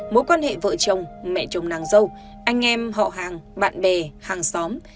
mối quan hệ vợ chồng mẹ chồng nàng dâu anh em họ hàng bạn bè hàng xóm